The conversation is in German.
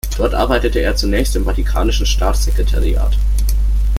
Dort arbeitete er zunächst im Vatikanischen Staatssekretariat.